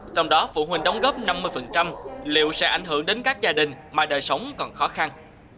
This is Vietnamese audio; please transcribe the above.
trong đó phụ huynh đóng góp năm mươi liệu sẽ ảnh hưởng đến các gia đình mà đời sống còn khó khăn